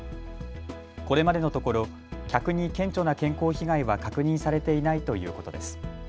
これまでのところ客に顕著な健康被害は確認されていないということです。